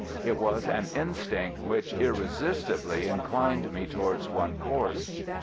It was an instinct which irresistibly inclined me towards one course.